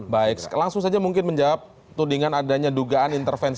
baik langsung saja mungkin menjawab tudingan adanya dugaan intervensi